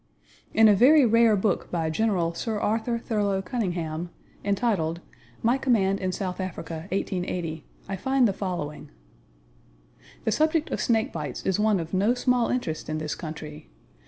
In a very rare book by General Sir Arthur Thurlow Cunynghame, entitled, My Command in South Africa, 1880, I find the following: The subject of snake bites is one of no small interest in this country.